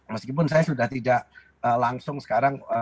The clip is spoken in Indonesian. meskipun saya sudah tidak langsung sekarang